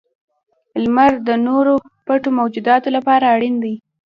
• لمر د نورو پټو موجوداتو لپاره اړین دی.